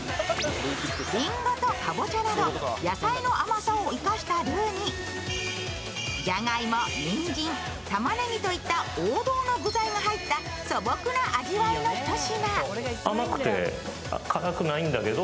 りんごとかぼちゃなど野菜の甘さを生かしたルーにじゃがいも、にんじん、たまねぎといった王道の具材が入った素朴な味わいの一品。